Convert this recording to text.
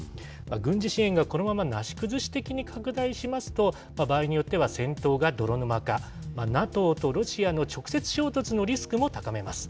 軍事支援がこのままなし崩し的に拡大しますと、場合によっては戦闘が泥沼化、ＮＡＴＯとロシアの直接衝突のリスクも高めます。